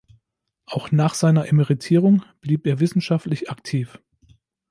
Auch nach seiner Emeritierung blieb er wissenschaftlich aktiv.